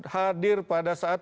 hadir pada saat